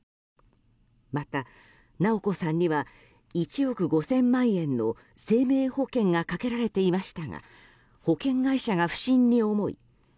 また直子さんには１億５０００万円の生命保険がかけられていましたが保険会社が不審に思い凜